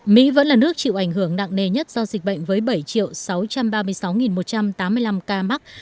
mỹ vẫn là nước chịu ảnh hưởng nặng nề nhất do dịch bệnh với bảy sáu trăm ba mươi sáu một trăm tám mươi năm ca mắc